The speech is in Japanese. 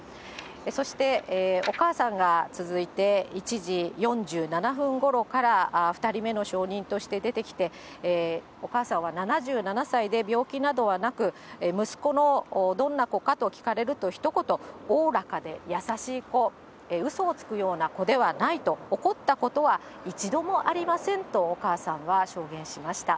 そしてお母さんが続いて１時４７分ごろから２人目の証人として出てきて、お母さんは７７歳で病気などはなく、息子の、どんな子かと聞かれると、ひと言、おおらかで優しい子、うそをつくような子ではないと、怒ったことは一度もありませんと、お母さんは証言しました。